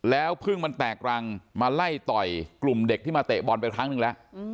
แล้วพึ่งมันแตกรังมาไล่ต่อยกลุ่มเด็กที่มาเตะบอลไปครั้งหนึ่งแล้ว